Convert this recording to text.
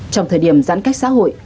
trong thời điểm giãn cách xã hội